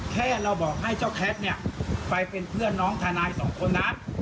แค่เราบอกให้เจ้าแท็กเนี่ยไปเป็นเพื่อนน้องทนายสองคนนะ